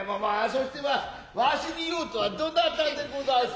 そしてまあわしに用とはどなたでござんす。